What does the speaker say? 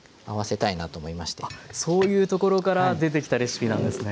あっそういうところから出てきたレシピなんですね。